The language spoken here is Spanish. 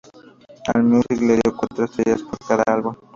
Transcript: Allmusic le dio cuatro estrellas por cada álbum.